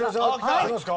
ありますか？